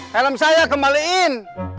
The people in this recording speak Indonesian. helm saya kembaliin